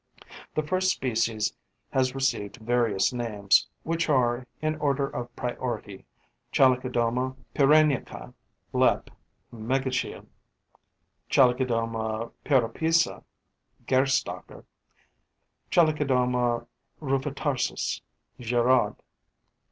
The first species has received various names, which are, in order of priority: Chalicodoma pyrenaica, LEP. (Megachile); Chalicodoma pyrrhopeza, GERSTACKER; Chalicodoma rufitarsis, GIRAUD.